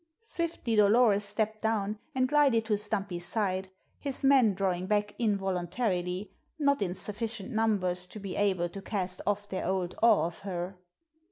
Swiftly Dolores stepped down and glided to Stumpy's side, his men drawing back involuntarily, not in sufficient numbers to be able to cast off their old awe of her.